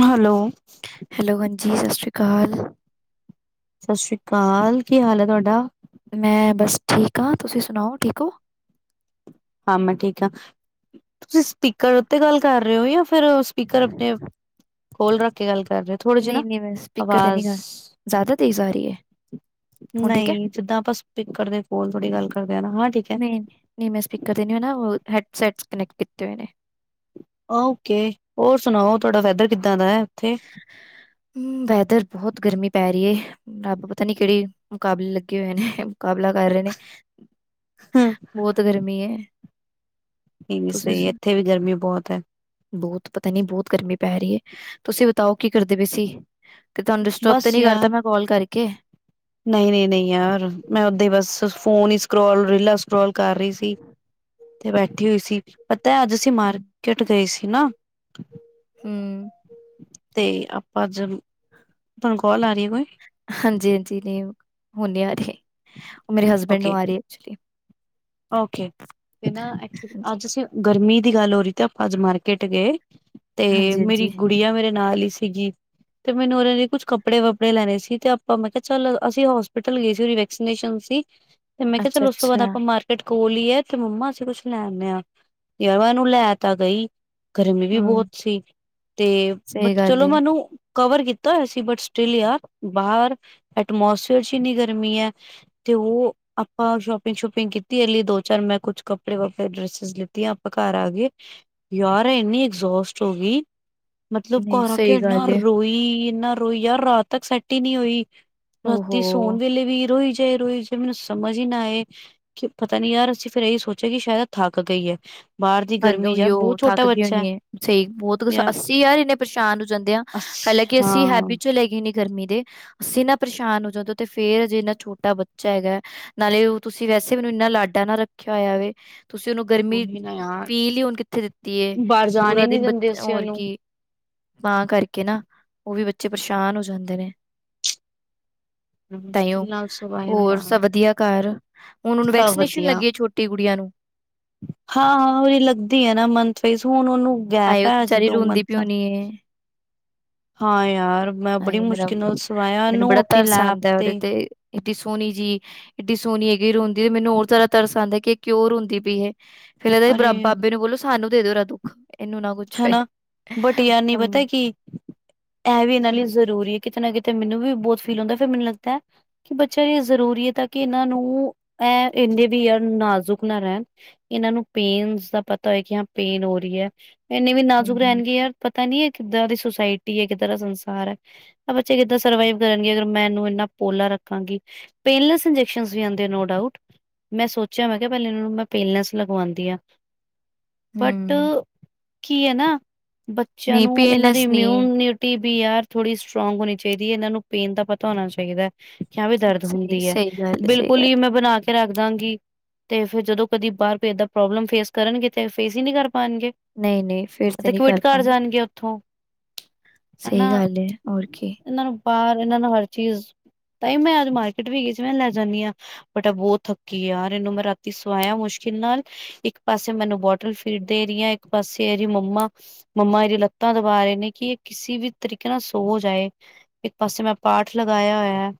Hello. Hello, ਹਾਂਜੀ ਸਤਿ ਸ਼੍ਰੀ ਅਕਾਲ। ਸਤਿ ਸ੍ਰੀ ਅਕਾਲ, ਕੀ ਹਾਲ ਹੈ ਤੁਹਾਡਾ? ਮੈਂ ਬਸ ਠੀਕ ਹਾਂ ਤੁਸੀਂ ਸੁਣਾਓ ਠੀਕ ਹੋ? ਹਾਂ, ਮੈਂ ਠੀਕ ਹਾਂ ਤੁਸੀਂ ਸਪੀਕਰ ਉੱਤੇ ਗੱਲ ਕਰ ਰਹੇ ਹੋ ਜਾਂ ਫਿਰ ਸਪੀਕਰ ਆਪਣੇ ਕੋਲ ਰੱਖ ਕੇ ਗੱਲ ਕਰ ਰਹੇ ਥੋੜ੍ਹੇ ਜਿਹੀ ਨਾ ਨਹੀਂ ਨਹੀਂ ਮੈਂ ਸਪੀਕਰ ਤੇ ਨਹੀਂ ਆਵਾਜ਼ ਗਾ ਜ਼ਿਆਦਾ ਤੇਜ਼ ਆ ਰਹੀ ਹੈ। ਹੁਣ ਠੀਕ ਹੈ ਨਹੀਂ, ਜਿੱਦਾਂ ਆਪਾਂ ਸਪਿੱਕਰ ਦੇ ਕੋਲ ਥੋੜੀ ਗੱਲ ਕਰਦੇ ਹ ਨਾ ਹਾਂ ਠੀਕ ਹੈ ਨਹੀਂ-ਨਹੀਂ, ਮੈਂ ਸਪੀਕਰ ਤੇ ਨਹੀਂ, ਮੈ ਨਾ ਹੈਢ ਸੈਟ ਕਨੈਕਟ ਕੀਤੇ ਹੋਏ ਨੇ। ਓਕੇ, ਹੋਰ ਸੁਣਾਓ ਤੁਹਾਡਾ ਵੈਦਰ ਕਿੱਦਾਂ ਦਾ ਹੈ ਉੱਥੇ? ਵੈਦਰ ਬਹੁਤ ਗਰਮੀ ਪੈ ਰਹੀ ਏ। ਰੱਬ ਪਤਾ ਨੀ ਕਿਹੜੇ ਮੁਕਾਬਲੇ ਲੱਗੇ ਹੋਏ ਨੇ? ਮੁਕਾਬਲਾ ਕਰ ਰਹੇ ਨੇ। ਹੂੰ। ਬਹੁਤ ਗਰਮੀ ਏ। ਏਵੀ ਸਹੀ ਇੱਥੇ ਵੀ ਗਰਮੀ ਬਹੁਤ ਹੈ। ਬਹੁਤ ਪਤਾ ਨੀ ਬਹੁਤ ਗਰਮੀ ਪੈ ਰਹੀ ਹੈ, ਤੁਸੀਂ ਬਤਾਓ ਕੀ ਕਰਦੇ ਪਏਸੀ? ਤੇ ਤੁਹਾਨੂੰ ਡਿਸਟਰਬ ਤੇ ਬਸ ਨਹੀਂ ਕਰਤਾ ਯਾਰ ਮੈਂ ਕਾਲ ਕਰਕੇ ਨਹੀਂ- ਨਹੀਂ, -ਨਹੀਂ ਯਾਰ, ਮੈਂ ਓਦਾਂ ਬਸ ਫੋਨ ਹੀ ਸਕਰੋਲ ਰੀਲਾ ਸਕਰੋਲ ਸਕਰੋਲ ਕਰ ਰਹੀ ਸੀ ਤੇ ਬੈਠੀ ਹੋਈ ਸੀ, ਪਤਾ ਅੱਜ ਅਸੀਂ ਮਾਰਕੀਟ ਗਏ ਸੀ ਨਾ। ਹੂੰ। ਤੇ ਆਪਾਂ ਜ ਤੁਹਾਨੂੰ ਕਾੱਲ ਆਰੀ ਏ ਕੋਈ। ਹਾਂਜੀ-ਹਾਂਜੀ, ਨਹੀਂ ਮੈਨ ਨਹੀਂ ਆ ਰਹੀ ਉਹ ਮੇਰੇ ਹਸਬੈਂਡ ਨੂੰ ਓਕੇ ਆ ਰਹੀ ਐਕਚੁਲੀ। ਓਕੇ। ਤੇ ਨਾ ਐਕਚੁਲੀ ਹਾਂਜੀ, ਅੱਜ ਅਸੀਂ, ਗਰਮੀ ਦੀ ਗੱਲ ਹੋ ਰਹੀ ਤੇ ਆਪਾਂ ਅੱਜ ਮਾਰਕੀਟ ਗਏ। ਤੇ ਮੇਰੀ ਹਾਂਜੀ-ਹਾਂਜੀ ਗੁੜੀਆ ਮੇਰੇ ਨਾਲ ਹੀ ਸੀਗੀ। ਤੇ ਮੈਨੂੰ ਉਹਦੇ ਲਈ ਕੁਛ ਕੱਪੜੇ-ਵੱਪੜੇ ਲੈਣੇ ਸੀ ਤੇ ਆਪਾਂ ਮੈਂ ਕਿਹਾ ਚੱਲ ਅਸੀਂ ਹੋਸਪਿਟਲ ਗਏ ਸੀ ਉਹਦੀ ਵੈਕਸੀਨੇਸ਼ਨ ਸੀ। ਤੇ ਮੈਂ ਕਿਹਾ, ਚਲੋ ਉਸ ਤੋਂ ਬਾਦ ਅੱਛਾ-ਅੱਛਾ ਆਪਾਂ ਮਾਰ ਤੇ ਕੋਲ ਹੀ ਹੈ ਤੇ ਮੰਮਾ ਅਸੀਂ ਕੁਛ ਲੈ ਆਨੇ ਆ, ਯਾਰ ਮੈਂ ਇਹਨੂੰ ਲੈ ਤਾਂ ਗਈ। ਗਰਮੀ ਵੀ ਹੂੰ ਬਹੁਤ ਸੀ ਤੇ ਸਹੀ ਬਟ ਗੱਲ ਚਲੋ ਏ ਮੈ ਇਹਨੂੰ ਕਵਰ ਕੀਤਾ ਹੋਇਆ ਸੀ ਬਟ ਸਟਿਲ ਯਾਰ, ਬਾਹਰ ਐਟਮੋਸਫੀਅਰ ਚ ਇੰਨੀ ਗਰਮੀ ਹੈ। ਤੇ ਉਹ ਆਪਾਂ ਸ਼ੋਪਿੰਗ- ਸ਼ੂਪਿੰਗ ਕੀਤੀ ਐਲੀ ਲਈ ਦੋ-ਚਾਰ ਮੈਂ ਕੁਛ ਕੱਪੜੇ-ਵੱਪੜੇ, ਡਰੈਸ ਲਿੱਤੀ ਆਪਾਂ ਘਰ ਆ ਗਏ। ਯਾਰ ਇੰਨੀ ਐਗਜੋਸਟ ਹੋ ਗਈ। ਮਤਲਬ ਨਹੀਂ ਘਰ ਆਕੇ ਸਹੀ ਇਨਾ ਗੱਲ ਏ ਰੋਈ-ਇੰਨਾ ਰੋਈ, ਯਾਰ ਰਾਤ ਤੱਕ ਸੈੱਟ ਹੀ ਨਹੀਂ ਹੋਈ। ਓਹੋ ਰਾਤੀ ਸੋਣ ਵੇਲੇ ਵੀ ਰੋਈ ਜੇ ਮੈਨੂੰ ਸਮਝ ਹੀ ਨਾ ਆਏ ਕਿ ਪਤਾ ਨੀ ਯਾਰ ਅਸੀਂ ਫੇਰ ਇਹੀ ਸੋਚਿਆ ਕਿ ਸ਼ਾਇਦ ਥੱਕ ਗਈ ਏ। ਹਾ ਉਹੀ ਉਹ ਥੱਕ ਗਈ ਹੋਨੀ, ਸਹੀ ਬਹੁਤ ਕੁ ਹੈ ਅੱਸੀਂ ਯਾਰ ਇੰਨੇ ਪਰੇਸ਼ਾਨ ਹੋ ਜਾਂਦੇ ਆ। ਹਾਲਾਂਕਿ, ਅਸੀਂ ਹਾਂ ਹੈਬੀਚੋਂਲ ਹੈਗੇ ਨੇ ਗਰਮੀ ਦੇ ਅਸੀਂ ਨਾ ਪਰੇਸ਼ਾਨ ਹੋ ਜਾਂਦੇ, ਤੇ ਫੇਰ ਜੇ ਇਨਾ ਛੋਟਾ ਬੱਚਾ ਹੈਗਾ। ਨਾਲੇ ਉਹ ਤੁਸੀਂ ਵੈਸੇ ਮੈਨੂੰ ਇੰਨਾ ਲਾਡਾ ਨਾ ਰੱਖਿਆ ਹੋਇਆ ਵੇ ਤੁਸੀਂ ਉਹਨੂੰ ਗਰਮੀ ਉਹੀ ਨਾ ਯਾਰ ਫੀਲ ਹੁਣ ਕਿੱਥੇ ਦਿੱਤੀ ਹੈ ਬਾਹਰ ਜਾਣ ਹੀ ਪੂਰਾ ਨੀ ਦਿਨ ਬੱਚ ਦਿੰਦੇ ਅਸੀਂ ਹੋਰ ਉਹਨੂੰ ਕੀ। ਮਾਂ ਕਰਕੇ ਨਾ ਉਹ ਵੀ ਬੱਚੇ ਪਰੇਸ਼ਾਨ ਹੋ ਜਾਂਦੇ ਨੇ। ਤਾਹੀ ਓਹ ਮੁਸ਼ਕਿਲ ਨਾਲ ਸਵਾਇਆ ਹੋਰ ਯਾਰ ਸਭ ਵਧੀਆ, ਘਰ ਹੁਣ ਉਹਨੂੰ ਸਭ ਵੈਕਸੀਨੇਸ਼ਨ ਵਧੀਆ ਲੱਗੀ ਹੈ ਛੋਟੀ ਕੁੜੀਆਂ ਨੂੰ। ਹਾਂ-ਹਾਂ, ਉਹਹੀ ਲੱਗਦੀ ਹੈਨਾ ਮੰਨਥ ਵਾਇਸ ਹੁਣ ਉਹਨੂੰ ਗੈਪ ਹਾਏ, ਉਹ ਹੈ ਅੱਜ ਬਚਾਰੀ ਦੋ ਰੋਂਦੀ ਮੰਥ ਦਾ। ਪੀਉਣੀ ਹੈ। ਹਾਂ ਯਾਰ ਮੈਂ ਬੜੀ ਹਯੇ, ਮੇਰਾ ਮੁਸ਼ਕਿਲ ਨਾਲ ਸਵਾਇਆ ਮੈਨੂੰ ਇਹਨੂੰ ਬੜਾ ਆਪਣੀ ਤਰਸ ਲੈਬ ਆਦਾ ਹੈ ਉਹਦੇ ਤੇ। ਇਏਡੀ ਸੋਹਣੀ ਜੀ, ਇੱਡੀ ਸੋਹਣੀ ਹੈਗੀ ਰੋਂਦੀ ਤੇ ਮੈਨੂੰ ਹੋਰ ਜ਼ਿਆਦਾ ਤਰਸ ਆਉਦਾ ਹੈ ਕਿ ਇਹ ਕਿਉਂ ਰੋਂਦੀ ਪਈ ਇਹ। ਫੇਰ ਅਰੇ ਇਹਦਾ ਬਾਬੇ ਨੂੰ ਬੋਲੋ ਸਾਨੂੰ ਦੇ ਦਿਓ ਇਹਦਾ ਦੁੱਖ। ਇਹਨੂੰ ਨਾ ਕੁਛ ਹੋਏ ਹੈਨਾ ਬਟ ਯਾਰ ਨੀ ਹਮ ਪਤਾ ਕੀ ਇਹ ਵੀ ਇਹਨਾਂ ਲਈ ਜ਼ਰੂਰੀ ਹੈ ਕਿਤੇ ਨਾ ਕਿਤੇ ਮੈਨੂੰ ਵੀ ਬਹੁਤ ਫੀਲ ਹੁੰਦਾ ਫਿਰ ਮੈਨੂੰ ਲੱਗਦਾ ਹੈ ਕਿ ਬੱਚਿਆਂ ਲਈ ਜ਼ਰੂਰੀ ਹੈ ਤਾਂ ਕਿ ਇਹਨਾਂ ਨੂੰ ਇਹ ਇੰਨੇ ਵੀ ਯਾਰ ਨਾਜ਼ੁਕ ਨਾ ਰਹਿਣ ਇਹਨਾਂ ਨੂੰ ਪੇਨਸ ਦਾ ਪਤਾ ਹੋਏ ਕਿ ਹਾਂ ਪੇਨ ਹੋ ਰਹੀ ਹੈ ਇੰਨੇ ਵੀ ਨਾਜ਼ੁਕ ਹਮ ਰਹਿਣਗੇ ਯਾਰ ਪਤਾ ਨੀ ਹੈ ਕਿੱਦਾਂ ਦੀ ਸੁਸਾਇਟੀ ਹੈ ਕਿੱਦਾਂ ਦਾ ਸੰਸਾਰ ਹੈ ਬੱਚੇ ਕਿੱਦਾਂ ਸਰਵਾਈਵ ਕਰਨਗੇ ਅਗਰ ਮੈਂ ਇਹਨੂੰ ਇੰਨਾ ਪੋਲਾ ਰੱਖਾਂਗੀ ਪੇਨਲੈਸ ਇੰਜੈਕਸਨ ਵੀ ਆਉਂਦੇ ਨੋਡਾਊਟ ਮੈਂ ਸੋਚਿਆ ਮੈਂ ਕਿਹਾ ਪਹਿਲੇ ਇਹਨਾਂ ਨੂੰ ਮੈਂ ਪੇਲਨੈਂਸ ਲਗਵਾਉਂਦੀ ਹਾਂ, ਬਟ ਹਮ ਕੀ ਹੈ ਨਾ ਬੱਚਿਆਂ ਨਹੀਂ ਨੂੰ ਇਹਨਾਂ ਦੇ ਪੇਨਲੈਸ ਇਮਿਊਨ ਨਹੀਂ ਨਿ ਟੀ ਬੀ ਆਰ ਥੋੜ੍ਹੀ ਸਟਰੋਂਗ ਹੋਣੀ ਚਾਹੀਦੀ ਹੈ ਇਹਨਾਂ ਨੂੰ ਪੇਨ ਦਾ ਪਤਾ ਹੋਣਾ ਚਾਹੀਦਾ ਕਿਆ ਵੀ ਦਰਦ ਸਹੀ ਹੁੰਦੀ ਹੈ ਸਹੀ ਗੱਲ ਹੈ ਸਹੀ ਬਿਲਕੁਲ ਗੱਲ ਹੀ ਹੈ ਮੈਂ ਬਣਾ ਕੇ ਰੱਖਦਾਂਗੀ ਤੇ ਫਿਰ ਜਦੋਂ ਕਦੀ ਬਾਹਰ ਭੇਜਤਾ, ਪ੍ਰੋਬਲਮ ਫੇਸ ਕਰਨਗੇ ਤੇ ਫੇਸ ਹੀ ਨਹੀਂ ਕਰ ਪਾਉਣਗੇ ਨਹੀਂ- ਨਹੀਂ ਫਿਰ ਤੇ ਨਹੀਂ ਕਵਿਟ ਕਰ ਘਰ ਪਾਣੀ ਜਾਣਗੇ ਉੱਥੋਂ ਹਨਾ ਸਹੀ ਗੱਲ ਹੈ ਹੋਰ ਕੀ ਇਹਨਾਂ ਨੂੰ ਬਾਹਰ, ਇਹਨਾਂ ਨੂੰ ਹਰ ਚੀਜ਼ ਤਾਂਹੀ ਮੈਂ ਅੱਜ ਮਾਰਕੀਟ ਵੀ ਗਈ ਸੀ, ਮੈਂ ਲੈ ਜਾਂਦੀ ਹਾਂ ਬਟ ਬਹੁਤ ਥੱਕੀ ਆ ਯਾਰ ਇਹਨੂੰ ਮੈਂ ਰਾਤੀ ਸਵਾਇਆ ਮੁਸ਼ਕਿਲ ਨਾਲ ਇੱਕ ਪਾਸੇ ਮੈਨੂੰ ਬੋਟਲ ਫੇਡ ਦੇ ਰਹੀ ਹ ਇੱਕ ਪਾਸੇ ਤੇ ਇਹਦੀ ਮੰਮਾ, ਮੰਮਾ ਇਹਦੀਆਂ ਲੱਤਾਂ ਦਬਾ ਰਹੇ ਨੇ ਕਿ ਇਹ ਕਿਸੇ ਵੀ ਤਰੀਕੇ ਨਾਲ ਸੋ ਜਾਏ ਇੱਕ ਪਾਸੇ ਮੈਂ ਪਾਠ ਲਗਾਇਆ ਹੋਇਆ ਹੈ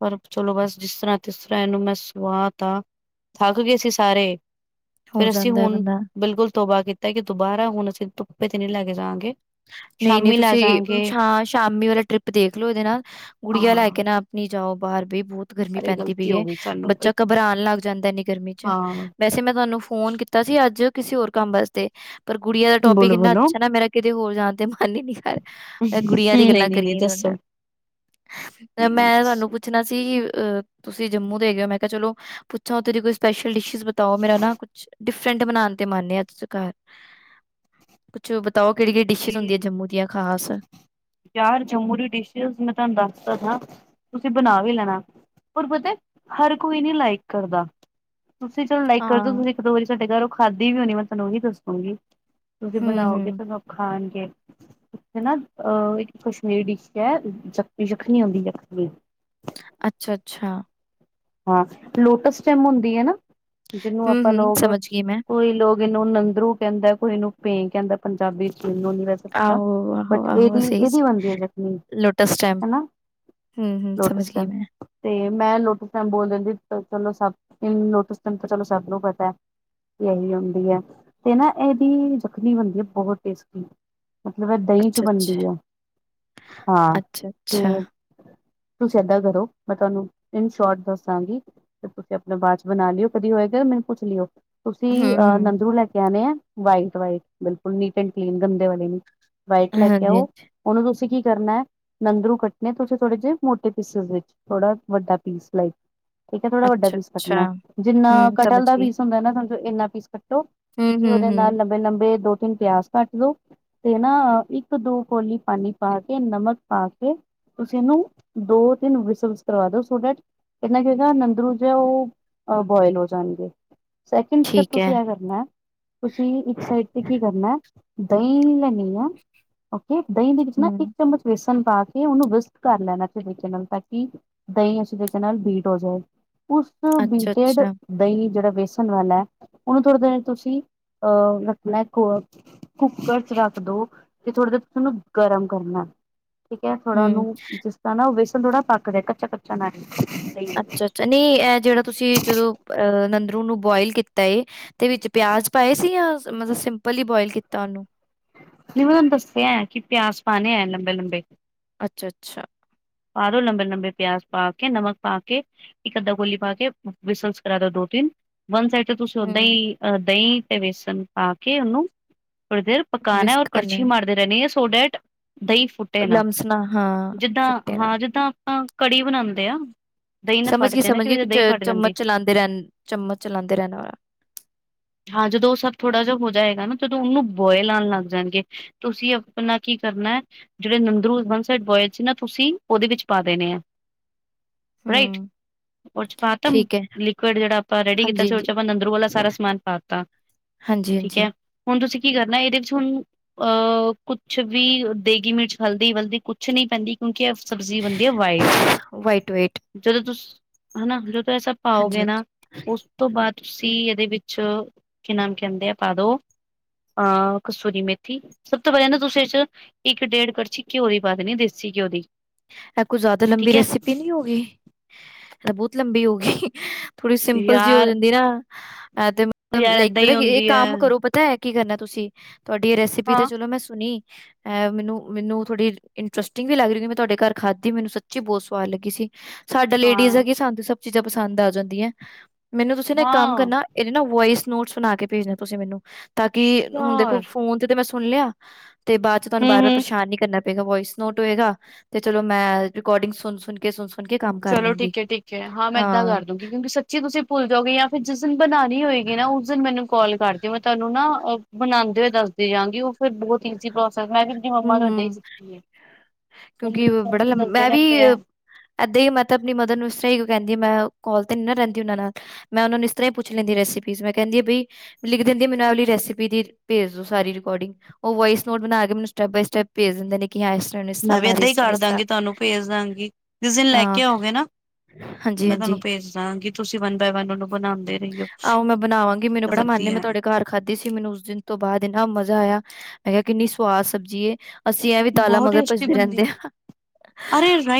ਪਰ ਚਲੋ ਬਸ ਜਿਸ ਤਰ੍ਹਾਂ ਕਿਸ ਤਰ੍ਹਾਂ ਇਹਨੂੰ ਮੈਂ ਸਵਾਤਾ ਆ ਥੱਕ ਗਏ ਸੀ ਸਾਰੇ ਹੋ ਫਿਰ ਅਸੀਂ ਜਾਂਦਾ ਹੈ ਹੁਣ ਬੰਦਾ ਬਿਲਕੁਲ ਤੋਬਾ ਕੀਤਾ ਕਿ ਦੁਬਾਰਾ ਹੁਣ ਅਸੀਂ ਧੁੱਪੇ ਤੇ ਨਹੀਂ ਲੈ ਕੇ ਜਾਵਾਂਗੇ ਨਹੀਂ -ਨਹੀਂ ਸ਼ਾਮੀ ਲੈ ਤੁਸੀਂ ਜਾਵਾਂਗੇ ਸ਼ ਸ਼ਾਮੀ ਵਾਲਾ ਟ੍ਰਿਪ ਦੇਖਲੋ ਇਹਦੇ ਨਾਲ, ਗੁੜੀਆਂ ਲੈ ਹਾਂ ਕੇ ਨਾ ਨੀ ਜਾਓ ਬਾਹਰ ਵੀ ਬਹੁਤ ਗਰਮੀ ਅਰੇ ਪੈਂਦੀ ਗ਼ਲਤੀ ਹੋ ਪਈਏ, ਗਈ ਸਾਨੂੰ ਬੱਚਾ ਇੱਕ ਘਬਰਾਉਣ ਲੱਗ ਜਾਂਦਾ ਇੰਨੀ ਗਰਮੀ 'ਚ ਹਾਂ ਵੈਸੇ ਮੈਂ ਤੁਹਾਨੂੰ ਫੋਨ ਕੀਤਾ ਸੀ ਅੱਜ ਕਿਸੇ ਹੋਰ ਕੰਮ ਵਾਸਤੇ, ਪਰ ਗੁੜੀਆਂ ਦਾ ਟੋਪਿਕ ਬੋਲੋ ਇੰਨਾ ਬੋਲੋ ਅੱਛਾ ਨਾ ਮੇਰਾ ਤੇ ਹੋਰ ਜਾਣ ਤੇ ਮਨ ਹੀ ਨਹੀਂ ਕਰ ਰਿਹਾ। ਗੁੜੀਆਂ ਦੀ ਨਹੀਂ ਗੱਲਾਂ ਨਹੀਂ ਨਹੀਂ ਕਰੀਏ ਤੁਹਾਡੇ ਦੱਸੋ ਨਾਲ, ਨਹੀਂ ਨਹੀਂ ਮੈਂ ਤੁਹਾਨੂੰ ਦੱਸੋ ਪੁੱਛਣਾ ਸੀ, ਅਹ ਤੁਸੀਂ ਜੰਮੂ ਦੇ ਹੈਗੇ ਹੋ, ਮੈਂ ਕਿਹਾ ਚਲੋ ਅੱਛਾ, ਉਥੇ ਦੀ ਕੋਈ ਸਪੈਸ਼ਲ ਡਿਸ਼ੀਜ਼ ਬਤਾਓ ਮੇਰਾ ਨਾ ਕੁਛ ਡਿਫਰੈਂਟ ਬਣਾਉਣ ਤੇ ਮੰਨ ਆ ਅੱਜ ਘਰ, ਕੁਛ ਬਤਾਓ। ਕਿਹੜੀ- ਕਿਹੜੀ ਡਿਸ਼ਿਜ਼ ਹੁੰਦੀਆਂ ਓਕੇ ਜੰਮੂ ਦੀਆਂ ਖਾਸ ਚਾਰ ਜੰਮੂ ਦੀ ਡਿਸ਼ਿਸ ਮੈਂ ਤੁਹਾਨੂੰ ਦੱਸਦਾ ਹਾਂ, ਤੁਸੀਂ ਬਣਾ ਵੀ ਲੈਣਾ ਪਰ ਪਤਾ, ਹਰ ਕੋਈ ਨੀ ਲਾਈਕ ਕਰਦਾ ਤੁਸੀਂ ਚਲੋ ਲਾਈਕ ਕਰ ਹਾਂ ਦਿਓ ਤੁਸੀਂ ਇੱਕ ਦੋ ਵਾਰੀ ਸਾਡੇ ਘਰੋਂ ਖਾਧੀ ਵੀ ਹੋਣੀ ਮੈਂ ਤੁਹਾਨੂੰ ਉਹੀ ਦੱਸਾਂਗੀ ਤੁਸੀਂ ਬਣਾਓਗੇ ਹੂੰ-ਹੂੰ। ਤੇ ਸਭ ਖਾਂਣਗੇ ਹਨਾ ਅਹ ਇੱਕ ਕਸ਼ਮੀਰੀ ਡਿਸ਼ ਹੈ ਜਖ ਜਖਣੀ ਹੁੰਦੀ ਜਖਮੀ ਅੱਛਾ -ਅੱਛਾ ਹਾਂ ਲੋਟਸ ਟਾਈਮ ਹੁੰਦੀ ਹੈ ਨਾ, ਜਿਹਨੂੰ ਆਪਾਂ ਲੋਕ, ਕੋਈ ਲੋ ਕੋਈ ਇਹਨੂੰ ਨੰਦਰੂ ਕਹਿੰਦਾ, ਕੋਈ ਇਹਨੂੰ ਭੇਂ ਕਹਿੰਦਾ, ਪੰਜਾਬੀ 'ਚ ਇਹਨੂੰ ਨੀ ਵੈਸ ਆਹੋ ਆਹੋ ਆਹੋ ਸਹੀ, ਹੈ ਚਟਨੀ ਲੋਟਸ ਸਟੈਪ ਹਨਾ ਹਮ -ਹਮ ਸਮਝ ਲੋਟਸ ਗਈ ਟੈਮ ਮੈਂ ਤੇ ਮੈਂ ਲੋਟਸ ਟਪ ਬੋਲ ਦਿੰਦੀ ਚਲੋ ਸਭ ਲੋਟਸ ਟਮ ਚਲੋ ਸਭ ਨੂੰ ਪਤਾ ਹੈ ਇਹੀ ਹੁੰਦੀ ਹੈ, ਤੇ ਨਾ ਇਹਦੀ ਜਖਣੀ ਬਣਦੀ ਹੈ ਬਹੁਤ ਟੇਸਟੀ ਮਤਲਬ ਇਹ ਦਹੀਂ ਚ ਬਣਦੀ ਹੈ, ਹਾਂ ਤੇ ਤੁਸੀਂ ਏਦਾਂ ਕਰੋ, ਮੈਂ ਤੁਹਾਨੂੰ ਇਨ ਸ਼ੋਰਟ ਦੱਸਾਂਗੀ, ਤੇ ਤੁਸੀਂ ਆਪਣੇ ਬਾਅਦ ਚ ਬਣਾ ਲਿਓ ਕਦੀ ਹੋਏਗਾ ਮੈਨੂੰ ਪੁੱਛ ਲਿਓ। ਤੁਸੀਂ, ਅਹ ਨੰਦੂ ਲੈ ਕੇ ਆਉਣੇ ਆ ਵਾਈਟ- ਵਾਈਟ ਬਿਲਕੁਲ ਨੀਟ ਐਂਡ ਕਲੀਨ, ਗੰਦੇ ਵਾਲੇ ਨੀ। ਵਾਈਟ ਲੈ ਕੇ ਆਓ, ਉਹਨੂੰ ਤੁਸੀਂ ਕੀ ਕਰਨਾ ਹੈ। ਨੰਦਰੂ ਕੱਟਣੇ ਤੁਸੀਂ ਥੋੜੇ ਜਿਹੇ ਮੋਟੇ ਪੀਸਿਸ ਵਿੱਚ, ਥੋੜਾ ਵੱਡਾ ਪੀਸ ਲਈ ਠੀਕ ਹੈ ਥੋੜਾ ਵੱਡਾ ਪੀਸ ਕੱਟਣਾ, ਜਿੰਨਾ ਕਟਹਲ ਦਾ ਪੀਸ ਹੁੰਦਾ ਨਾ ਇੰਨਾ ਪੀਸ ਕੱਟੋ। ਤੁਸੀਂ ਉਹਦੇ ਨਾਲ ਲੰਬੇ ਲੰਬੇ ਦੋ ਤਿੰਨ ਪਿਆਜ ਕੱਟ ਲਓ। ਤੇ ਨਾ ਇੱਕ ਦੋ ਕੋਲੀ ਪਾਣੀ ਪਾ ਕੇ ਨਮਕ ਪਾ ਕੇ। ਤੁਸੀਂ ਇਹਨੂੰ ਦੋ ਤਿੰਨ ਵਿਸਲਜ ਦਵਾ ਦਿਓ [inaudible] ਏਨਾ ਕੀ ਹੋਏਗਾ ਨੰਦਰੂ ਜਿਹੈ ਉਹ ਅ ਬੋਇਲ ਹੋ ਜਾਣਗੇ। ਸੈਕਿੰਡ ਸਟੇਪ ਠੀਕ ਹੈ। ਤੁਸੀਂ ਐ ਕਰਨਾ। ਤੁਸੀਂ ਇੱਕ ਸਾਈਡ ਤੇ ਕੀ ਕਰਨਾ ਦਹੀਂ ਲੈਣੀ ਆ। ਓਕੇ ਦਹੀਂ ਦੇ ਵਿੱਚ ਨਾ ਇੱਕ ਚਮਚ। ਬੇਸਨ ਪਾ ਕੇ ਉਹਨੂੰ ਵਿਸਟ ਕਰ ਲੈਣਾ ਅਸੀੇ ਤਰੀਕੇ ਨਾਲ ਤਾਂ ਕਿ ਦਹੀਂ ਅਸੀਂ ਦੇ। ਨਾਲ ਬੀਟ ਹੋ ਜਾਏ ਉਸ ਤੋਂ ਅੱਛਾ, ਬੀਟਡ। ਅੱਛਾ। ਦਹੀਂ ਜਿਹੜਾ ਵੇਸਣ ਵਾਲਾ ਉਹਨੂੰ ਥੋੜ੍ਹਾ ਦਿਨ ਤੁਸੀਂ ਅਹ ਰੱਖਣਾ ਕੋ। ਕੁੱਕਰ ਚ ਰੱਖ ਦੋ ਤੇ ਥੋੜ੍ਹਾ ਜਿਹਾ ਤੁਸੀ ਓਹਨੂੰ ਗਰਮ ਕਰਨਾ। ਠੀਕ ਹੈ ਥੋੜਾ ਹੁੰ, ਓਹਨੂੰ ਜਿਸ ਤਰ੍ਹਾਂ ਨਾ ਉਹ ਬੇਸਣ ਥੋੜਾ ਪੱਕ ਜਾਏ ਕੱਚਾ ਕੱਚਾ ਨਾ ਆਏ। ਅੱਛਾ ਅੱਛਾ ਨਹੀਂ ਇਹ ਜਿਹੜਾ ਤੁਸੀਂ ਜਦੋਂ ਅਹ ਨੰਦਰੂ ਨੂੰ ਬੋਇਲ ਕੀਤਾ ਹੈ। ਤੇ ਵਿੱਚ ਪਿਆਜ ਪਾਏ ਸੀ ਜਾਂ ਮਤਲਬ ਸਿੰਪਲ ਹੀ ਬੋਇਲ ਕੀਤਾ ਉਹਨੂੰ। ਨਹੀਂ ਮੈਂ ਤੁਹਾਨੂੰ ਦਸਿਆ ਹੈਂ ਕਿ ਪਿਆਜ਼ ਪਾਉਣੇ ਆ ਲੰਬੇ ਲੰਬੇ। ਅੱਛਾ ਅੱਛਾ। ਪਾ ਲੋ ਲੰਬੇ ਲੰਬੇ ਪਿਆਜ਼ ਪਾ ਕੇ ਨਮਕ ਪਾ ਕੇ। ਇੱਕ ਅੱਧਾ ਕੌਲੀ ਪਾ ਕੇ ਵਿਸਲਸ ਕਰਾ ਦਿਓ ਦੋ ਤਿੰਨ। ਵੰਨ ਸਾਈਡ ਤੇ ਤੁਸੀਂ ਓਦਾਂ ਹੁੰ, ਹੀ ਦਹੀਂ ਤੇ ਬੇਸਣ ਪਾ ਕੇ ਉਹਨੂੰ। ਥੋੜੀ ਦੇਰ ਪਕਾਨਾ ਏ ਔਰ ਵਿਸਕ ਕੜਛੀ ਕਰਨਾ, ਮਾਰਦੇ ਰਹਿੰਨੀ ਹੈ ਸੋ ਦੇਟ ਦਹੀਂ ਫੁੱਟ। ਲਮਸ ਨਾ ਹਾਂ ਫੁੱਟੇ ਨਾ। ਜਿੱਦਾਂ ਆਪਾਂ ਕੜੀ ਬਣਾਉਂਦੇ ਆ। ਦਹੀਂ ਨਾ ਸਮਝ ਫਟ ਗਈ, ਜਾਏ ਨਾ ਸਮਝ ਗਈ ਕਿ ਚ ਦਹੀਂ ਫਟ ਚਮਚ ਜਾਂਦੀ ਚਲਾਉਂਦੇ ਰਹਿਣ ਚਮਚ ਚਲਾਉਂਦੇ ਰਹਿਣ ਵਾਲਾ। ਹਾਂ ਜਦੋਂ ਉਹ ਸਭ ਥੋੜ੍ਹਾ ਜਿਹਾ ਹੋ ਜਾਏਗਾ ਨਾ, ਜਦੋਂ ਉਹਨੂੰ ਬੋਇਲ ਆਉਣ ਲੱਗ ਜਾਣਗੇ। ਤੁਸੀਂ ਆਪਣਾ ਕੀ ਕਰਨਾ। ਜਿਹੜੇ ਨੰਦਰੂ ਵਨ ਸਾਈਡ ਬੋਇਲ ਸੀ ਨਾ, ਤੁਸੀਂ ਉਹਦੇ ਵਿੱਚ ਪਾ ਦੇਣੇ ਆ। ਰਾਈਟ। ਹੂੰ ਉਹ ਚ ਪਾ ਤਾ ਠੀਕ ਹੈ ਲਿਕੁਡ ਜਿਹੜਾ ਆਪਾਂ ਰੈਡੀ ਕੀਤਾ ਹਾਂਜੀ ਸੀ, ਉਹ ਹਾਂਜੀ ਚ ਆਪਾਂ ਨੰਦਰੂ ਵਾਲਾ ਸਾਰਾ ਸਮਾਨ। ਪਾਤਾਂ ਹਾਂਜੀ ਠੀਕ ਹੈ, ਹਾਂਜੀ ਹੁਣ ਤੁਸੀਂ ਕੀ ਕਰਨਾ ਇਹਦੇ ਵਿੱਚ ਹੁਣ। ਅਹ ਕੁਛ ਵੀ ਦੇਗੀ ਮਿਰਚ ਹਲਦੀ ਵਲਦੀ ਕੁਛ ਨਹੀ ਪੈਂਦੀ ਕਿਉਂਕਿ। ਸਬਜ਼ੀ ਬਣਦੀ ਆ ਵਾਈਟ। ਵਾਈਟ ਵਾਈਟ ਜਦੋਂ ਤੁਸੀ ਹਨਾ ਜਦੋਂ ਐਸਾ ਹਾਂਜੀ ਪਾਓਗੇ ਨਾ ਹਾਂਜੀ ਉਸ ਤੋਂ ਬਾਅਦ ਤੁਸੀਂ ਇਹਦੇ ਵਿੱਚ। ਚ ਕੀ ਨਾਮ ਕਹਿੰਦੇ ਆ ਪਾ ਦੋ। ਹਾਂ ਕਸੂਰੀ ਮੇਥੀ, ਸਭ ਤੋਂ ਪਹਿਲਾ ਨਾ ਤੁਸੀਂ ਇਹ ਚ। ਇੱਕ ਡੇਢ ਕੜਛੀ ਘਿਓ ਦੀ ਪਾ ਦੇਨੀ ਦੇਸੀ ਘਿਓ ਦੀ। ਇਹ ਕੁਛ ਜ਼ਿਆਦਾ ਲੰਬੀ ਠੀਕ ਹੈ ਰੈਸਿਪੀ ਨਹੀਂ ਹੋਗੀ ਇਹ ਤਾਂ ਬਹੁਤ ਲੰਬੀ ਹੋਗੀ। ਥੋੜੀ ਸਿੰਪਲ ਜਿਹੀ ਹੋ ਯਾਰ ਜਾਂਦੀ ਨਾ ਤੇ ਯਾਰ ਲਾਈਕ ਏਦਾਂ ਪਤਾ ਹੀ ਇਹ ਹੁੰਦੀ ਹੈ ਕੰਮ ਕਰੋ ਪਤਾ ਹੈ। ਕੀ ਕਰਨਾ ਤੁਸੀਂ ਤੁਹਾਡੀ ਇਹ ਰੈਸਿਪੀ ਤੇ ਹਾਂ ਚਲੋ ਮੈਂ ਸੁਣੀ। ਅ ਮੈਨੂੰ ਮੈਨੂੰ ਥੋੜ੍ਹੀ ਇੰਟਰਸਿੰਗ ਵੀ ਲੱਗ ਰਹੀ ਮੈਂ ਤੁਹਾਡੇ ਘਰ ਖਾਧੀ ਮੈਨੂੰ ਸੱਚੀ ਬਹੁਤ ਸਵਾਦ ਲੱਗੀ ਸੀ। ਸਾਡਾ ਹਾਂ ਲੇਡੀਜ਼ ਹੈ ਕਿ ਸਾਨੂੰ ਸਭ ਚੀਜ਼ਾਂ ਪਸੰਦ ਆ ਜਾਂਦੀਆਂ ਮੈਨੂੰ ਤੁਸੀਂ ਨਾ ਇੱਕ ਕੰਮ ਹਾਂ ਕਰਨਾ। ਇਹਦੇ ਨਾ ਵੋਇਸ ਨੋਟਸ ਬਣਾ ਕੇ ਭੇਜਦੇ ਤੁਸੀਂ ਮੈਨੂੰ ਤਾਂ ਕਿ ਹੁਣ ਦੇਖੋ ਯਾਰ ਫੋਨ ਤੇ ਮੈਂ। ਸੁਣ ਲਿਆ ਤੇ ਬਾਅਦ ਚ ਤੁਹਾਨੂੰ ਬਾਰ ਵਾਰ ਹੂੰ-ਹੂੰ ਪਰੇਸ਼ਾਨ ਨੀ ਕਰਨਾ ਪਏਗਾ ਵੋਇਸ ਨੋਟ ਹੋਏਗਾ। ਤੇ ਚਲੋ ਮੈਂ ਰਿਕਾਰਡਿੰਗ ਸੁਣ, ਸੁਣ ਕੇ ਸੁਣ। ਚਲੋ ਠੀਕ ਹੈ, ਠੀਕ ਹੈ ਹਾਂ ਮੈਂ ਇੱਦਾਂ ਕਰ ਦੂੰਗੀ ਕਿਉਂਕਿ ਸੱਚੀ ਤੁਸੀਂ ਭੁੱਲ ਜਾਓਗੇ ਜਾਂ ਫਿਰ ਜਿਸ ਦਿਨ ਬਣਾਉਣੀ ਹੋਏਗੀ ਨਾ ਉਸ। ਮੈਨੂੰ ਕਾਲ ਕਰਦੀ ਮੈਂ ਤੁਹਾਨੂੰ ਨਾ ਬਣਾਉਂਦੇ ਹੋਏ ਦੱਸਦੀ ਜਾਾਂਗੀ ਉਹ। ਬਹੁਤ ਇਜ਼ੀ ਪ੍ਰੋਸੈਸ ਮੈਂ ਵੀ ਅਪਣੀ ਮੰਮਾ ਤੋਂ ਇੱਦਾਂ ਹੀ ਹੂੰ ਸਿੱਖੀ ਹੈ। ਉਹ ਮੈਨੂੰ ਫੋਨ ਤੇ ਦੱਸਦੇ ਰਹਿੰਦੇ ਆ। ਇੱਦਾਂ ਹੀ ਮੈਂ ਤਾਂ ਆਪਣੀ ਮਦਰ ਨੂੰ ਇਸ ਤਰ੍ਹਾਂ ਕਹਿੰਦੀ ਮੈਂ ਕਲ ਤੇ ਨੀ ਨਾ ਰਹਿੰਦੀ ਉਹਨਾਂ ਨਾਲ। ਮੈਂ ਉਹਨਾਂ ਨੂੰ ਇਸ ਤਰਾਂ ਹੀ ਪੁੱਛ ਲੈਂਦੀ ਰੈਸਿਪੀਜ ਮੈਂ ਕਹਿੰਦੀ ਆ ਬਈ। ਲਿਖ ਦਿੰਦੀ ਮੈ ਆ ਵਾਲੀ ਰੈਸਪੀ ਦੀ ਭੇਜ ਦੋ ਸਾਰੀ ਰਕਾਰਡਿੰਗ ਉਹ ਵੋਇਸ ਨੋਟ ਬਣਾ ਕੇ ਮੈਨੂੰ। ਸਟੈਪ ਬਾਈ ਸਟੈਪ ਭੇਜ ਦਿੰਦੇ ਨੇ। ਕਿ ਹਾਂ ਇਸ ਤਰ੍ਹਾਂ ਇਹਨੂੰ ਇਸ ਤਰ੍ਹਾਂ ਮੈਂ ਵੀ ਬਣਾ ਦੇ ਏਦਾਂ ਈ ਇਸ ਤਰ੍ਹਾਂ ਕਰ ਇਸ ਤਰ੍ਹਾਂ ਦਾਂਗੀ ਤੁਹਾਨੂੰ ਭੇਜ ਦਾਂਗੀ ਜੀਸ ਦਿਨ ਲੈ ਹਾਂ ਕੇ ਆਓਗੇ ਨਾ। ਮੈਂ ਤਾਨੂੰ ਹਾਂਜੀ-ਹਾਂਜੀ। ਭੇਜ ਦਾਂਗੀ, ਤੁਸੀਂ ਵਨ ਬਾਏ ਵਨ ਉਹਨੂੰ ਬਣਾਉਂਦੇ ਰਇਓ ਆਹੋ ਮੈਂ ਬਣਾਵਾਂਗੀ ਮੈਨੂੰ ਤ ਬੜਾ ਮਨ ਏ ਮੈਂ ਵਧੀਆ। ਤੁਹਾਡੇ ਘਰ ਖਾਧੀ ਸੀ ਮੈਨੂੰ ਉਸ ਦਿਨ ਤੋਂ ਬਾਅਦ ਇੰਨਾ ਮਜ਼ਾ ਆਇਆ ਮੈਂ ਕਿਆ ਕਿੰਨੀ ਸਵਾਦ ਸਬਜ਼ੀ ਏ ਅਸੀਂ ਏਵੇ ਦਾਲਾਂ ਬਹੁਤ ਮਗਰ ਟੇਸਟੀ ਭੱਜਦੇ ਬਣਦੀ ਏ। ਰਹਿੰਦੇ ਆ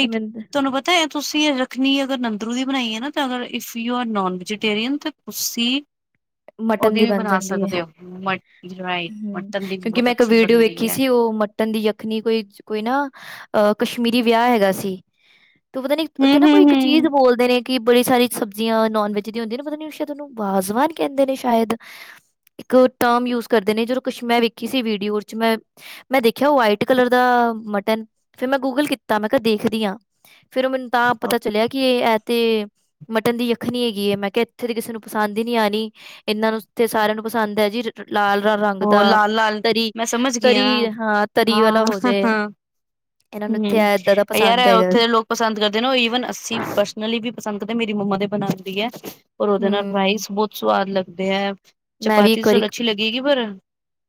ਤੇ ਮੈਨੂੰ ਤੇ ਤੇ ਤੁਸੀਂ ਏ ਰੱਖਣੀ ਅਗਰ ਨੰਦਰੂ ਦੀ ਬਣਾਈ ਹੈ ਨਾ ਤਾਂ ਅਗਰ if you are non vegetarian ਤੇ ਤੁਸੀਂ ਮਟਨ ਉਹਦੀ ਦੀ ਵੀ ਬਣ ਬਣਾ ਜਾਂਦੀ ਏ ਸਕਦੇ ਹੋ, ਮਟ ਰਾਈ ਹੂੰ। ਮਟਨ ਦੀ ਵੀ ਬਹੁਤ ਅੱਛੀ ਬਣਦੀ ਐ। ਟੰਡੀ ਅਖਨੀ ਕੋਈ ਚ ਕੋਈ ਨਾ ਅਹ ਕਸ਼ਮੀਰੀ ਵਿਆਹ ਹੈਗਾ ਸੀ। ਤੂ ਪਤਾ ਨੀ ਹੂੰ ਉੱਥੇ ਨਾ ਹੂੰ ਕੋਈ ਇੱਕ ਚੀਜ਼ ਹੂੰ। ਬੋਲਦੇ ਨੇ ਕਿ ਬੜੀ ਸਾਰੀ ਸਬਜ਼ੀਆਂ ਨੋਨ ਵੈਜ ਦੀਆਂ ਹੁੰਦੀਆਂ ਨਾ, ਪਤਾ ਨੀ ਸ਼ਾਇਦ ਉਹਨੂੰ ਬਾਜ਼ਵਾਨ ਕਹਿੰਦੇ ਨੇ ਸ਼ਾਇਦ। ਇੱਕ ਟਰਮ ਯੂਜ ਕਰਦੇ ਨੇ ਜਦੋ ਕੁੱਛ ਮੈਂ ਵੇਖੀ ਸੀ ਵੀਡੀਓ ਓਚ ਮੈਂ ਮੈਂ ਦੇਖਿਆ ਓ ਵਾਈਟ ਕਲਰ ਦਾ ਮਟਨ ਫਿਰ ਮੈਂ ਗੂਗਲ ਕੀਤਾ ਮੈਂ ਕਿਹਾ ਦੇਖਦੀ ਆ। ਫਿਰ ਓ ਮੈਨੂੰ ਤਾਂ ਪਤਾ ਚੱਲਿਆ ਕਿ ਐ ਤੇ ਮਟਨ ਦੀ ਅਖਨੀ ਹੈਗੀ ਏ, ਮੈਂ ਕਿਹਾ ਇੱਥੇ ਦੀ ਕਿਸੇ ਨੂੰ ਪਸੰਦ ਹੀ ਨੀਂ ਆਉਣੀ, ਇਹਨਾਂ ਨੂੰ ਓਥੇ ਸਾਰਿਆਂ ਨੂੰ ਪਸੰਦ ਹੈ ਜੀ। ਲਾਲ ਰਾਰਾ ਹੋ ਲਾਲ, ਲਾਲ ਮੈਂ ਸਮਝ ਗਈ ਆ ਹਾਂ ਤਰੀ ਵਾਲਾ ਹਾਂ, ਹੋ ਜਾਏ ਹਾਂ। ਇਹਨਾਂ ਨੂੰ ਇੱਥੇ ਏਦਾਂ ਦਾ ਹੁ ਯਾਰ ਪਸੰਦ ਹੈਗਾ ਉੱਥੇ ਦੇ ਲੋਕ ਪਸੰਦ ਕਰਦੇ ਨੇ ਉ ਈਵਨ ਅੱਸੀ ਪਰਸ ਉਨ੍ਹਾਂ ਲਈ ਵੀ ਪਸੰਦ ਤੇ ਮੇਰੀ ਮੰਮਾ ਦੇ ਬਣਾਉ ਦੀ ਹੈ, ਪਰ ਉਹਦੇ ਨਾਲ ਹਮ ਰਾਈਸ ਬਹੁਤ ਸਵਾਦ ਲੱਗਦੇ ਏ। ਮੈਂ ਵੀ ਚਪਾਤੀ ਇੱਕ ਚਲ ਵਾਰੀ ਅੱਛੀ ਲਗੇਗੀ ਪਰ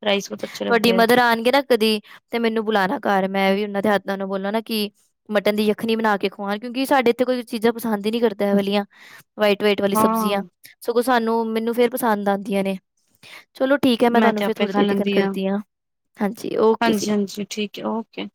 ਰਾਈਸ ਬਹੁਤ ਅੱਛੇ ਤੁਹਾਡੀ ਲੱਗਦੇ ਹੈ ਮਦਰ ਆਉਣਗੇ ਨਾ ਕਦੀ ਤੇ ਮੈਨੂੰ ਬੁਲਾਣਾ ਘਰ ਮੈਂ ਵੀ ਉਹਨਾਂ ਦੇ ਹੱਥਾਂ ਦਾ ਬੋਲਾਂ ਨਾ ਕਿ ਮਟਨ ਦੀ ਅਖਣੀ ਬਣਾ ਕੇ ਖਵਾਉਣ, ਕਿਉਂਕਿ ਸਾਡੇ ਇੱਥੇ ਕੋਈ ਚੀਜ਼ਾਂ ਪਸੰਦ ਹੀ ਨਹੀਂ ਕਰਦਾ ਏ ਵਲਿਆ। ਵਾਈਟ, ਵਾਈਟ ਵਾਲੀ ਹਾਂ। ਸਬਜ਼ੀਆਂ ਸਗੋਂ ਸਾਨੂੰ ਮੈਨੂੰ ਫੇਰ ਪਸੰਦ ਆਉਂਦੀਆਂ ਨੇ ਚਲੋ ਠੀਕ ਹੈ, ਮੈਂ ਤੁਹਾਨੂੰ ਤੇ ਫਿਰ ਆਪੇ ਥੋੜ੍ਹੀ ਖਾ ਦੇਰ ਤਿਕਣ ਲੈਂਦੀ ਕਰਦੀ ਹਾਂ, ਹਾਂਜੀ ਓਕੇ ਜੀ। ਜੀ, ਠੀਕ ਹੈ ਓਕੇ।